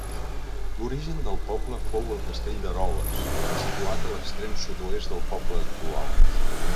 L'origen del poble fou el castell d'Eroles, situat a l'extrem sud-est del poble actual.